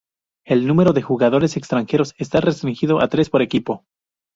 El número de jugadores extranjeros está restringido a tres por equipo.